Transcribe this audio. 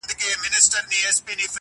دهقان ولاړی په زاریو د مار کور ته!!